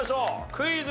クイズ。